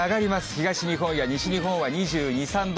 東日本や西日本は２２、３度。